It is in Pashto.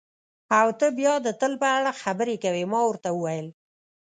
او ته بیا د تل په اړه خبرې کوې، ما ورته وویل.